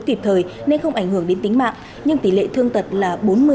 đầy thời nên không ảnh hưởng đến tính mạng nhưng tỉ lệ thương tật là bốn mươi hai